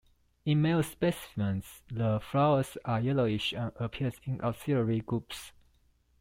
In male specimens, the flowers are yellowish and appear in axillary groups.